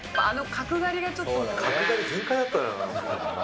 角刈り全開だったよ。